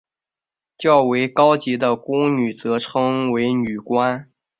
较为高级的宫女则称为女官。